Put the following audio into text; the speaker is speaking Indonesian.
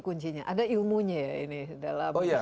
kuncinya ada ilmunya ya ini dalam